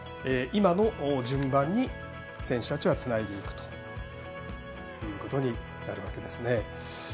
今の順番に選手たちはつないでいくということになるわけですね。